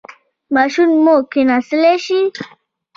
ماشوم مو کیناستلی شي؟